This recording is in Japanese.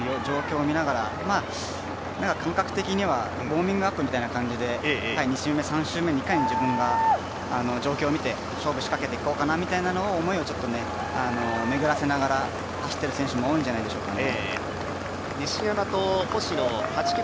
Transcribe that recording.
周りの選手の状況を見ながら感覚的にはウオーミングアップみたいな感じで２周目、３周目、いかに自分が状況を見て勝負を仕掛けていこうかなというような思いを巡らせながら走ってる選手も多いんじゃないでしょうかね。